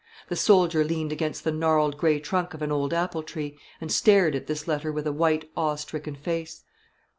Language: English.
The soldier leaned against the gnarled grey trunk of an old apple tree, and stared at this letter with a white awe stricken face.